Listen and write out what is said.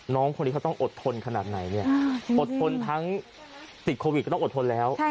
น้องคนนี้เขาต้องอดทนขนาดไหนเนี่ยอดทนทั้งติดโควิดก็ต้องอดทนแล้ว